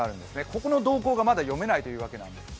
ここの動向がまだ読めないというわけなんです。